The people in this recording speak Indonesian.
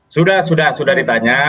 sudah sudah sudah ditanya